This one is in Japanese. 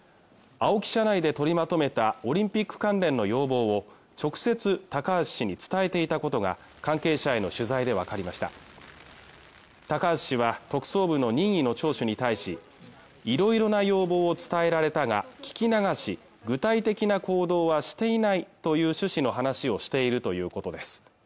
社内で取りまとめたオリンピック関連の要望を直接高橋に伝えていたことが関係者への取材で分かりました高橋氏は特捜部の任意の聴取に対しいろいろな要望を伝えられたが聞き流し具体的な行動はしていないという趣旨の話をしているということです